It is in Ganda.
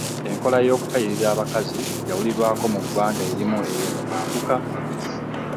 Enkola ey'okutayirira abakazi yawulirwaako mu ggwanga erimu eyo mu mambuka.